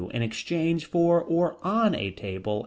In exchange for or on a table.